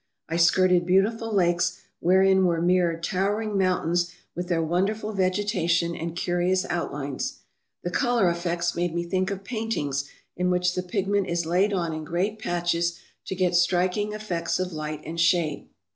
I skirted beautiful lakes wherein were mirrored towering mountains with their wonderful vegetation and curious outlines. The colour effects made me think of paintings in which the pigment is laid on in great patches to get striking effects of light and shade.